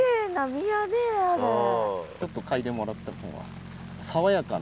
ちょっと嗅いでもらった方が。